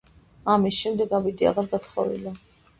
ამის შემდეგ აბიდე აღარ გათხოვილა.